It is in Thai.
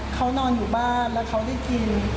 เขานอนอยู่บ้านแล้วเขาได้กิน